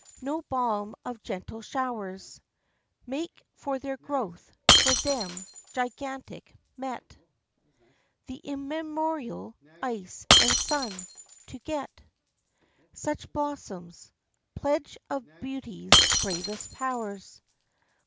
No balm of gentle showers Make for their growth; for them, gigantic, met The immemorial ice and sun, to get Such blossoms pledge of Beauty's bravest powers.